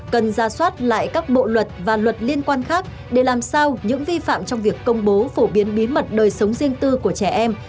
cần ra soát lại các bộ luật và luật liên quan khác để làm sao những vi phạm trong việc công bố phổ biến bí mật đời sống riêng tư của trẻ em